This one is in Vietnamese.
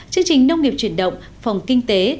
chương trình nông nghiệp truyền động phòng kinh tế